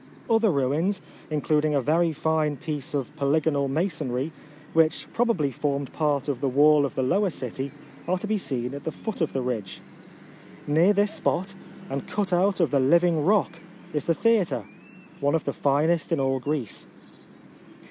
Other ruins, including a very fine piece of polygonal mason ry, which probably formed part of the wall of the lower city, are to be seen at the foot of the ridge. Near this spot, and cut out of the living rock, is the theatre, one of the finest in all Greece.